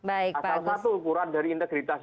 asal satu ukuran dari integritasnya